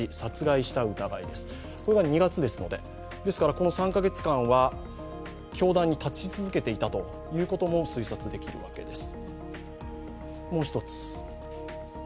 この３カ月間は教壇に立ち続けていたことも推察できるわけです。